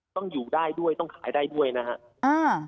ต้องอยู่ได้ด้วยต้องขายได้ด้วยนะครับ